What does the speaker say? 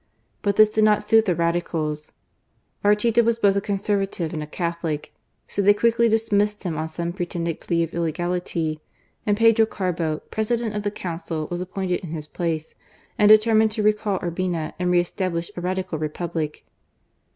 But this did not suit the Radicals. Arteta was both a Conservative and a Catholic, so they quickly dismissed him, on some pretended plea of illegality, and Pedro Carbo, President of the Council, was appointed in his place, and determined to recall Urbina and re establish a Radical Republic.